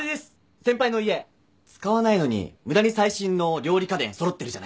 先輩の家使わないのに無駄に最新の料理家電揃ってるじゃないですか。